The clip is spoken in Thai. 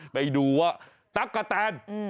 ไปดูว่าตั๊กกะแตน